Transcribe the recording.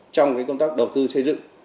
trong công tác đầu tư xây dựng